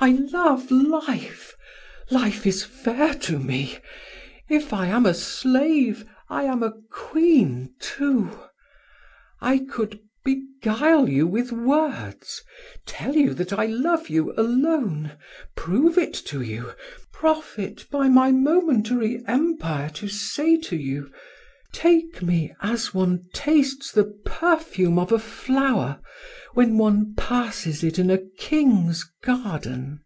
I love life! Life is fair to me! If I am a slave, I am a queen too. I could beguile you with words, tell you that I love you alone, prove it to you, profit by my momentary empire to say to you: 'Take me as one tastes the perfume of a flower when one passes it in a king's garden.